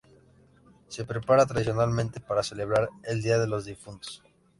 Se prepara tradicionalmente para celebrar el Día de los Difuntos.